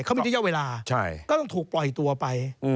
เขามีระยะเวลาก็ต้องถูกปล่อยตัวไป